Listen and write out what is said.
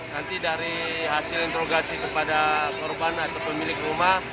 nanti dari hasil interogasi kepada korban atau pemilik rumah